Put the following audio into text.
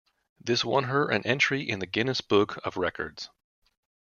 This won her an entry in the Guinness Book of Records.